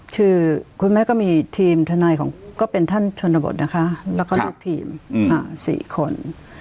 คือคุณแม่ก็มีทีมทนายของก็เป็นท่านชนบทนะคะแล้วก็ลูกทีม๔คน